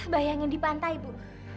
bayangin di pantai bu